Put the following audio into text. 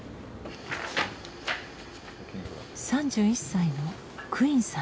３１歳のクインさんです。